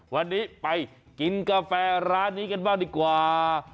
วันนี้ไปกินกาแฟร้านนี้กันบ้างดีกว่า